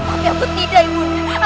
maaf ya aku tidak ibunya